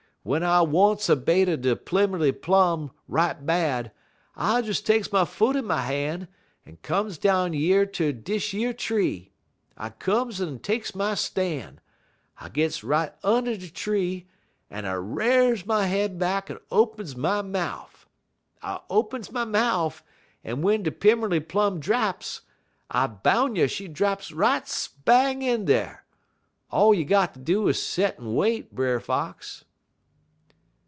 Wen I wants a bait er de Pimmerly Plum right bad, I des takes my foot in my han' en comes down yer ter dish yer tree. I comes en I takes my stan'. I gits right und' de tree, en I r'ars my head back en opens my mouf. I opens my mouf, en w'en de Pimmerly Plum draps, I boun' you she draps right spang in dar. All you got ter do is ter set en wait, Brer Fox.'